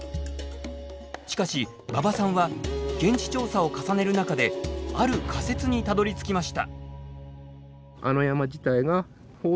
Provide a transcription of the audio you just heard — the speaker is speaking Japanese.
しかし馬場さんは現地調査を重ねる中である仮説にたどりつきました。